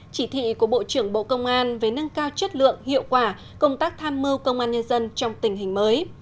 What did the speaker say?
chỉ thị của bộ trưởng bộ công an về nâng cao chất lượng hiệu quả công tác tham mưu công an nhân dân trong tình hình mới